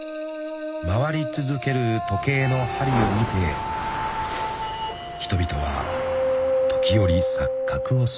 ［回り続ける時計の針を見て人々は時折錯覚をする］